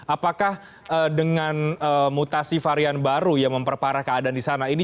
apakah dengan mutasi varian baru yang memperparah keadaan di sana